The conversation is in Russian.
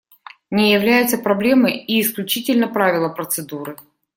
Не являются проблемой и исключительно правила процедуры.